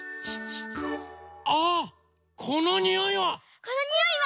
あっこのにおいは！